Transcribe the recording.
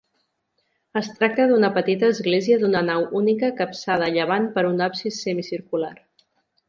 Es tracta d'una petita església d'una nau única capçada a llevant per un absis semicircular.